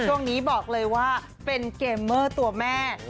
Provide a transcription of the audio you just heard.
ช่วงนี้บอกเลยว่าเป็นเกมเมอร์ตัวแม่